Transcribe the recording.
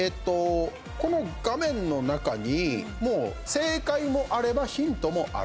この画面の中に正解もあればヒントもある。